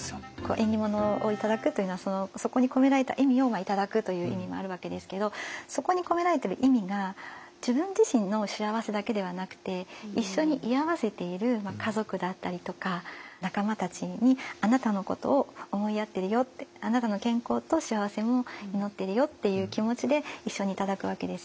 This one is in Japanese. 縁起物をいただくというのはそこに込められた意味をいただくという意味もあるわけですけどそこに込められてる意味が自分自身の幸せだけではなくて一緒に居合わせている家族だったりとか仲間たちにあなたのことを思いやってるよってそういうような人の思いっていうのがね